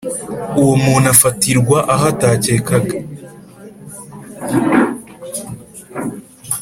Uwo muntu afatirwe aho atakekaga.